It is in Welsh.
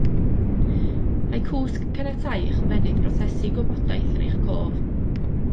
Mae cwsg yn caniatáu i'ch ymennydd brosesu gwybodaeth yn eich cof